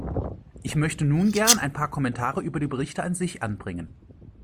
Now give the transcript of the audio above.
Ich möchte nun gern ein paar Kommentare über die Berichte an sich anbringen.